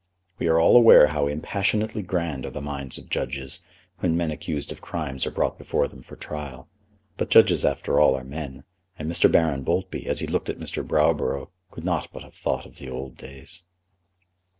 We are all aware how impassionately grand are the minds of judges, when men accused of crimes are brought before them for trial; but judges after all are men, and Mr. Baron Boultby, as he looked at Mr. Browborough, could not but have thought of the old days.